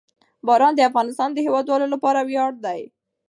باران د افغانستان د هیوادوالو لپاره ویاړ دی.